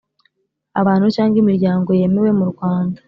abantu cyangwa imiryango yemewe mu Rwanda